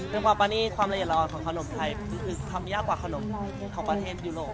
เป็นความประนีตความละเอียดอ่อนของขนมไทยคือทำยากกว่าขนมของประเทศยุโรป